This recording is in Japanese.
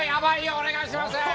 お願いします！